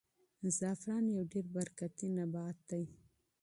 زعفران یو ډېر برکتي نبات دی.